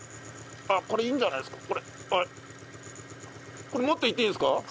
あっこれいいんじゃないですか？